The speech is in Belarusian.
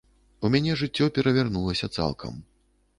У мяне жыццё перавярнулася цалкам.